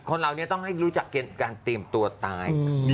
คนเหล่านี้ต้องให้รู้จักการเตรียมตัวตาย